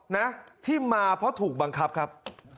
นะที่มาเพราะถูกบังคับครับ